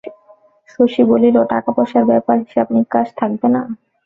শশী বলিল, টাকাপয়সার ব্যাপার হিসাবনিকাশ থাকবে না?